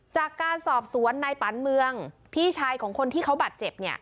จากการสอบสวนนายปันเมืองพี่ชายของคนที่เขาบาดเจ็บ